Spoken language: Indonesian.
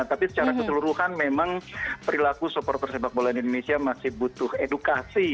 tapi secara keseluruhan memang perilaku supporter sepak bola indonesia masih butuh edukasi